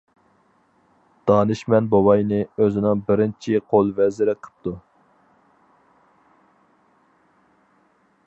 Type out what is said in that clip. دانىشمەن بوۋاينى ئۆزىنىڭ بىرىنچى قول ۋەزىرى قىپتۇ.